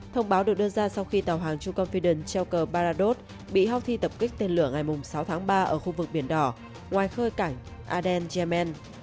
thông báo được đưa ra sau khi tàu hàng trucompidence treo cờ baradot bị houthi tập kích tên lửa ngày sáu tháng ba ở khu vực biển đỏ ngoài khơi cảng aden yemen